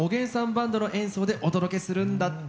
バンドの演奏でお届けするんだって。